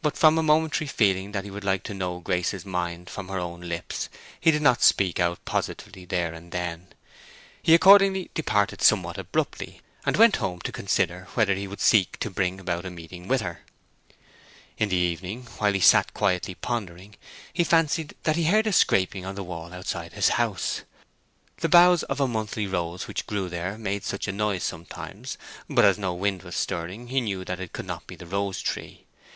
But from a momentary feeling that he would like to know Grace's mind from her own lips, he did not speak out positively there and then. He accordingly departed somewhat abruptly, and went home to consider whether he would seek to bring about a meeting with her. In the evening, while he sat quietly pondering, he fancied that he heard a scraping on the wall outside his house. The boughs of a monthly rose which grew there made such a noise sometimes, but as no wind was stirring he knew that it could not be the rose tree.